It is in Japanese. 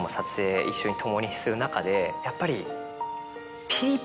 やっぱり。